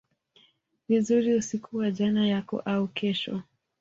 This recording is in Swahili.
vizuri usiku wa jana yako au kesho